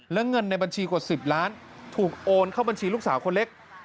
และเงินในบัญชีกว่า๑๐ล้านถูกโอนเข้าบัญชีลูกสาวคนเล็ก